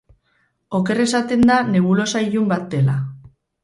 Oker esaten da nebulosa ilun bat dela.